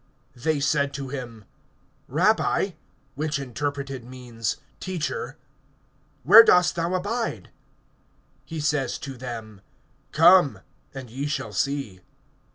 They said to him: Rabbi (which interpreted means, Teacher), where dost thou abide? (39)He says to them: Come, and ye shall see.